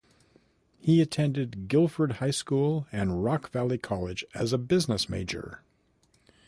He attended Guilford High School and Rock Valley College as a business major.